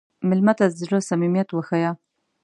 مېلمه ته د زړه صمیمیت وښیه.